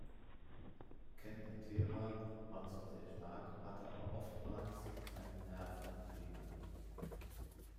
Ken Patera war zwar sehr stark, hatte aber oftmals mit seinen Nerven Probleme.